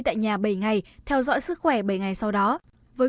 tại nhà bảy ngày theo dõi sức khỏe bảy ngày sau đó